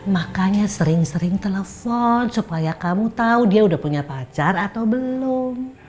makanya sering sering telepon supaya kamu tahu dia udah punya pacar atau belum